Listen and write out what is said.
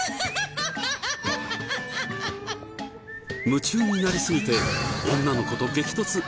夢中になりすぎて女の子と激突。